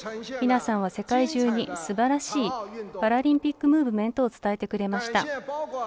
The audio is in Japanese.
皆さんは世界中にすばらしいパラリンピックムーブメントを伝えてくれました。